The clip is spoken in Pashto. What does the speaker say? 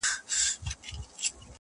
وي د غم اوږدې كوڅې په خامـوشۍ كي,